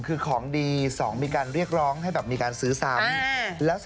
คือเราก็เลยเกิดหัวเซ้งลี้ขึ้นมา